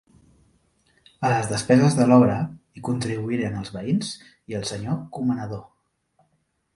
A les despeses de l'obra, hi contribuïren els veïns i el senyor comanador.